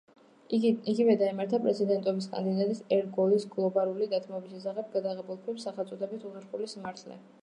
იგივე დაემართა პრეზიდენტობის კანდიდატის, ელ გორის გლობალური დათბობის შესახებ გადაღებულ ფილმს, სახელწოდებით „უხერხული სიმართლე“.